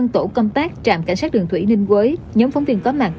năm tổ công tác trạm cảnh sát đường thủy ninh quế nhóm phóng viên có mặt